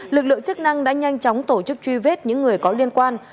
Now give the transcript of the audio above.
lực lượng chức năng đã nhanh chóng tổ chức truy vết những người có liên quan